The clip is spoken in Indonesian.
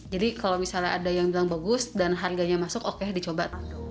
jadi kalau misalnya ada yang bilang bagus dan harganya masuk oke dicoba